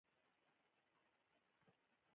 که له لاسه دې ووتل، کړنګونه به دې خنډ وي.